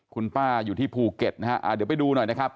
คุณป้าอยู่ที่ภูเก็ตนะฮะเดี๋ยวไปดูหน่อยนะครับ